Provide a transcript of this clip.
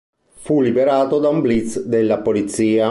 Fu liberato da un blitz della polizia.